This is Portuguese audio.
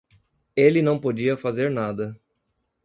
Ele não podia fazer nada